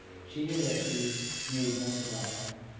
She knew that she knew most about men.